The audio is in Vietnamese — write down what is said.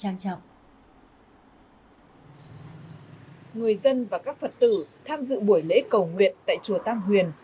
người dân và các phật tử tham dự buổi lễ cầu nguyện tại chùa tam huyền